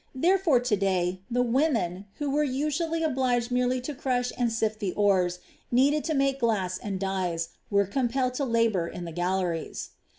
Therefore to day the women, who were usually obliged merely to crush and sift the ores needed to make glass and dyes, were compelled to labor in the galleries.